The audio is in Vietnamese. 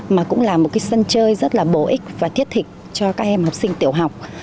mà cũng là một cái sân chơi rất là bổ ích và thiết thị cho các em học sinh tiểu học